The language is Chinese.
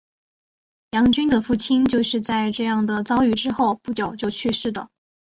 杨君的父亲就是在这样的遭遇之后不久就去世的。